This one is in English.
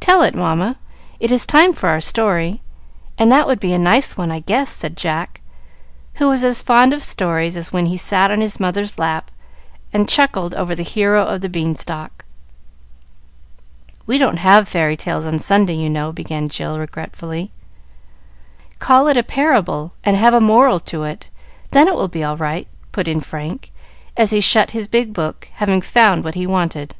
"Tell it, Mamma. It is time for our story, and that would be a nice one, I guess," said Jack, who was as fond of stories as when he sat in his mother's lap and chuckled over the hero of the beanstalk. "We don't have fairy tales on Sunday, you know," began Jill regretfully. "Call it a parable, and have a moral to it, then it will be all right," put in Frank, as he shut his big book, having found what he wanted.